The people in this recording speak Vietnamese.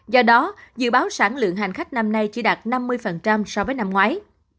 do đó dự báo sản lượng hành khách năm nay chỉ đạt năm mươi so với năm ngoái